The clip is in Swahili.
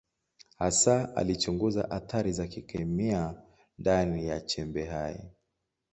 Hasa alichunguza athari za kikemia ndani ya chembe hai.